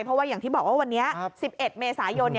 เพราะว่าอย่างที่บอกว่าวันนี้๑๑เมษายน